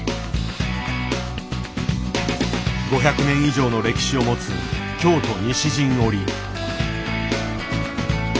５００年以上の歴史を持つ京都西陣織。